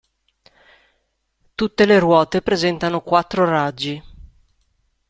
Tutte le ruote presentano quattro raggi.